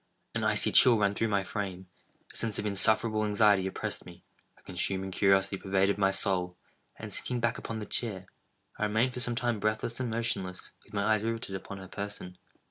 An icy chill ran through my frame; a sense of insufferable anxiety oppressed me; a consuming curiosity pervaded my soul; and sinking back upon the chair, I remained for some time breathless and motionless, with my eyes riveted upon her person.